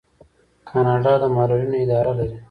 کاناډا د معلولینو اداره لري.